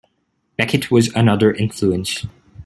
Beckett was another influence.